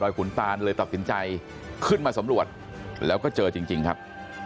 ดสคุณตาเลยตอบถึงใจขึ้นมาสำรวจแล้วก็เจอจริงครับ